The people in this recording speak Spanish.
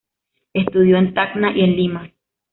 Estudió en Tacna y en Lima.